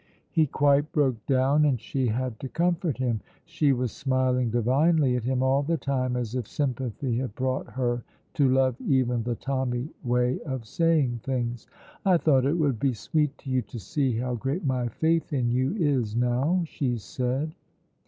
He quite broke down, and she had to comfort him. She was smiling divinely at him all the time, as if sympathy had brought her to love even the Tommy way of saying things. "I thought it would be sweet to you to see how great my faith in you is now," she said.